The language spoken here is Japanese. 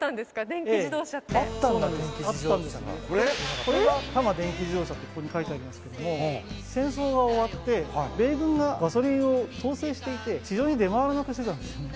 電気自動車がこれがたま電気自動車ってここに書いてありますけども戦争が終わって米軍がガソリンを統制していて市場に出回らなくしてたんですよね